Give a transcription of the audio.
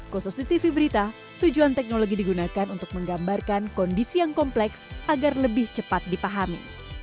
khusus di tv berita tujuan teknologi digunakan untuk menggambarkan kondisi yang kompleks agar lebih cepat dipahami